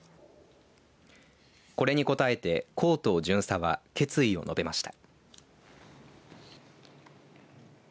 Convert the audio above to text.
これに応えて向当巡査は決意を述べました。